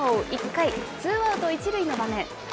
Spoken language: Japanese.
１回、ツーアウト１塁の場面。